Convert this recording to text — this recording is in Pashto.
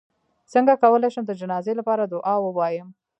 څنګه کولی شم د جنازې لپاره دعا ووایم